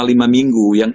selama lima minggu yang